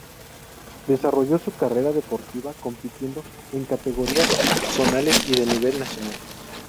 Desarrolló su carrera deportiva compitiendo en categorías zonales y de nivel nacional.